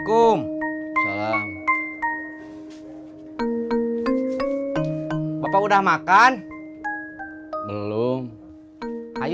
kamu tak bakal pake gapsu sama aku l malele older lamu